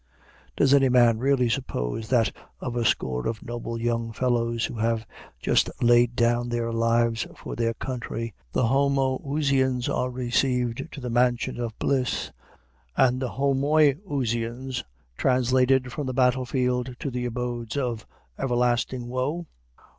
Does any man really suppose, that, of a score of noble young fellows who have just laid down their lives for their country, the Homoousians are received to the mansions of bliss, and the Homoiousians translated from the battle field to the abodes of everlasting woe?